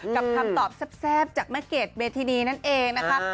คำตอบแซ่บจากแม่เกดเวทีนั่นเองนะคะ